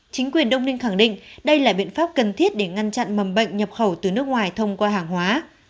chính quyền đông ninh khẳng định đây là biện pháp cần thiết để ngăn chặn mầm bệnh nhập khẩu từ nước ngoài thông qua hàng hóa